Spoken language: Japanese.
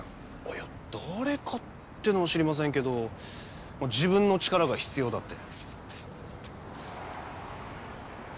いや誰かっていうのは知りませんけど自分の力が必要だって。